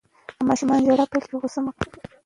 که ماشوم ژړا پیل کړه، غوصه مه کوئ.